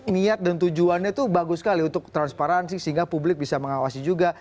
niat dan tujuannya itu bagus sekali untuk transparansi sehingga publik bisa mengawasi juga